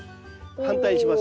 反対にします。